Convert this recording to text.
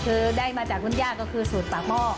คือได้มาจากคุณย่าก็คือสูตรปากหม้อ